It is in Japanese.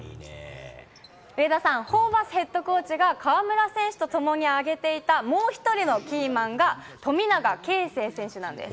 上田さん、ホーバスヘッドコーチが河村選手とともに挙げていた、もう１人のキーマンが、富永啓生選手なんです。